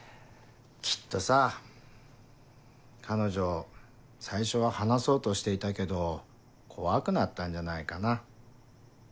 きっとさ彼女最初は話そうとしていたけど怖くなったんじゃないかな。